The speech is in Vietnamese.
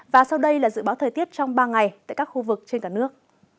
và sau đây là dự báo thời tiết trong ba ngày tại các khu vực trên cả nước